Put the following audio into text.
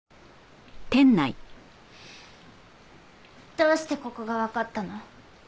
どうしてここがわかったの？